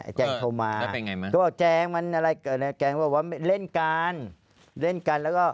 ไอ้แจงโทรมาก็บอกแจงว่าเล่นกันเล่นกันนะ